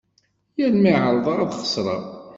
Yal mi εerḍeɣ ad xesreɣ.